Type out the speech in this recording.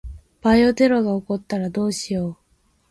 バイオテロが起こったらどうしよう。